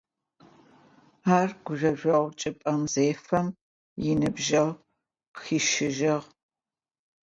Ар гузэжъогъу чӏыпӏэ зефэм, иныбджэгъу къыхищыжьыгъ.